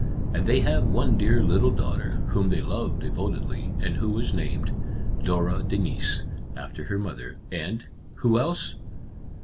And they have one dear little daughter, whom they love devotedly, and who is named ' Dora Denise,' after her mother and — who else